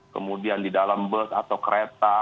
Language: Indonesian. kemudian di dalam bus atau kereta